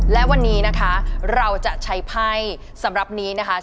และวันนี้นะคะเราจะใช้ไพ่สำหรับนี้นะคะ